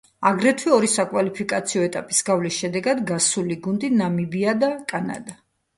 აგრეთვე ორი საკვალიფიკაციო ეტაპის გავლის შედეგად გასული გუნდი, ნამიბია და კანადა.